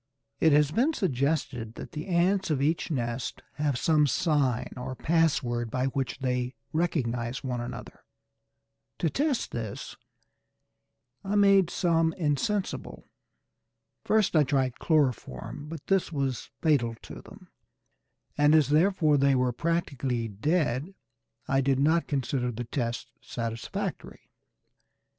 It has been suggested that the ants of each nest have some sign or password by which they recognize one another. To test this I made some insensible. First I tried chloroform, but this was fatal to them; and as therefore they were practically dead, I did not consider the test satisfactory.